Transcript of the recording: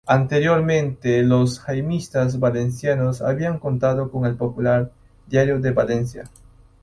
Anteriormente los jaimistas valencianos habían contado con el popular "Diario de Valencia".